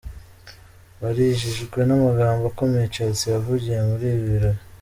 Barijijwe n'amagambo akomeye Chelsea yavugiye muri ibi birori.